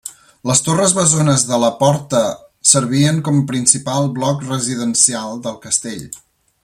Les torres bessones de la porta servien com a principal bloc residencial del castell.